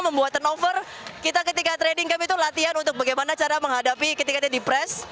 membuat turnover kita ketika trading camp itu latihan untuk bagaimana cara menghadapi ketika dia di press